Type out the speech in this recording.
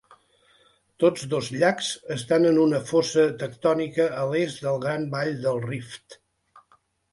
Tots dos llacs estan en una fossa tectònica a l'est del Gran Vall del Rift.